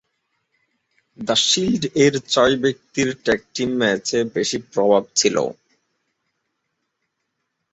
The Shield এর ছয়-ব্যক্তির tag team ম্যাচে বেশি প্রভাব ছিল।